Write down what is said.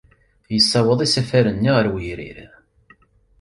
Yessaweḍ isafaren-nni ɣer wegrir.